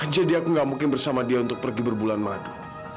aku gak mungkin bersama dia untuk pergi berbulan madu